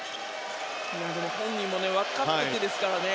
本人も分かっていますからね。